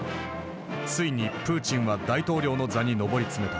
ついにプーチンは大統領の座に上り詰めた。